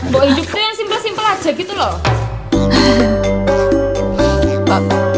bok hidup tuh yang simple simple aja gitu loh